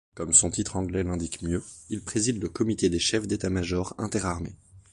Comme son titre anglais l’indique mieux, il préside le Comité des chefs d’état-major interarmées.